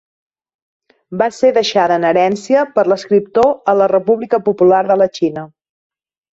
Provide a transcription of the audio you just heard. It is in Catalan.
Va ser deixada en herència per l'escriptor a la República Popular de la Xina.